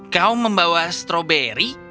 kau membawa stroberi